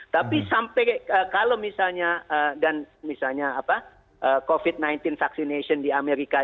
tapi sampai kalau misalnya dan misalnya covid sembilan belas vaccination di amerika